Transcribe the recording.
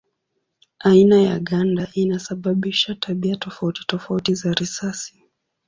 Aina ya ganda inasababisha tabia tofauti tofauti za risasi.